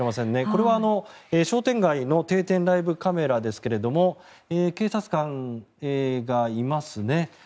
これは商店街の定点ライブカメラですが警察官がいますね。